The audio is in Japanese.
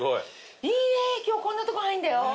いいね今日こんなとこ入んだよ。